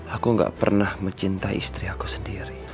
aku gak pernah mencintai istri aku sendiri